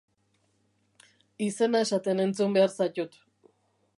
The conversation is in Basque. Izena esaten entzun behar zaitut.